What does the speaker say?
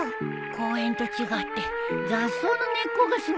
公園と違って雑草の根っこがすごいね。